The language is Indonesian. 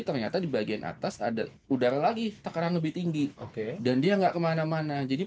ternyata di bagian atas ada udara lagi takaran lebih tinggi oke dan dia enggak kemana mana jadi